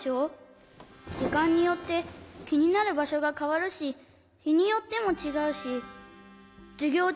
じかんによってきになるばしょがかわるしひによってもちがうしじゅぎょう